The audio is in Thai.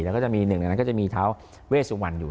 แล้วก็จะมีหนึ่งในนั้นก็จะมีท้าเวสุวรรณอยู่